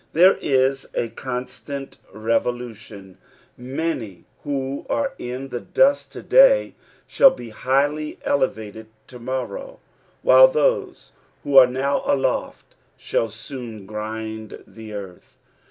There is a constant revolution : man; who are in the dust to day shall be hichlj elevated to morrow; while those who are now aloft ahall soon grind the earth.